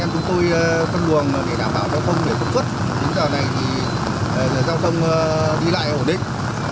chúng tôi phân luồng để đảm bảo giao thông để phân xuất đến giờ này thì giao thông đi lại ổn định